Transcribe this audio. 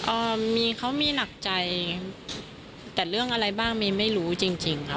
เอ่อมีเขามีหนักใจแต่เรื่องอะไรบ้างเมย์ไม่รู้จริงจริงค่ะ